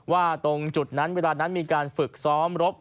ว่าตรงจุดนั้นเวลานั้นมีการฝึกซ้อมรบ